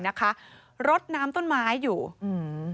นะคะรดน้ำต้นไม้อยู่อืม